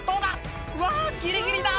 うわギリギリだ！